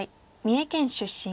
三重県出身。